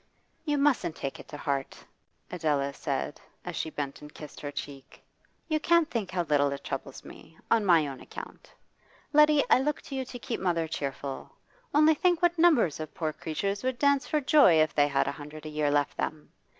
'You mustn't take it to heart,' Adela said as she bent and kissed her cheek. 'You can't think how little it troubles me on my own account. Letty, I look to you to keep mother cheerful. Only think what numbers of poor creatures would dance for joy if they had a hundred a year left them!